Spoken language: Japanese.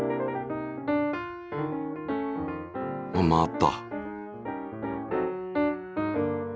回った。